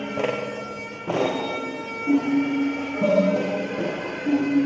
สวัสดีครับทุกคน